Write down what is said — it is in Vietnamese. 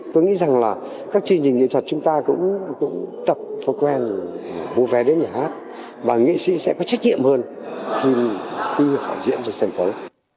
tôi nghĩ rằng là các chương trình nghệ thuật chúng ta cũng tập thói quen mua vé đến nhà hát và nghệ sĩ sẽ có trách nhiệm hơn khi họ diễn ra sân phấu